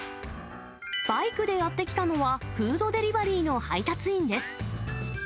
バイクでやって来たのは、フードデリバリーの配達員です。